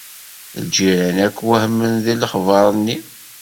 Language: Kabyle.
Lǧiran akk wehmen deg lexber-nni.